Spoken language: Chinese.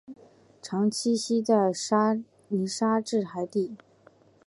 常栖息在泥沙质海底。